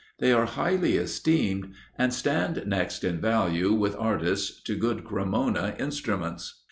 They are highly esteemed, and stand next in value with artists to good Cremona instruments.